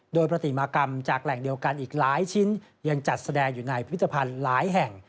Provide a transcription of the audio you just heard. โดยปฏิมากรรมจากแหล่งเดียวกันอีกหลายชิ้นยังจัดแสดงอยู่ในพิธภัณฑ์หลายแห่ง